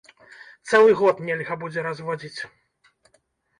Цэлы год нельга будзе разводзіць.